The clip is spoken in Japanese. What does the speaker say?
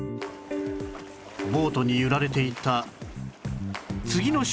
ボートに揺られていた次の瞬間